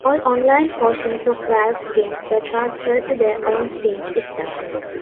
All online portions of Valve's games were transferred to their own Steam system.